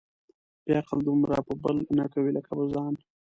بې عقل دومره په بل نه کوي ، لکه په ځان.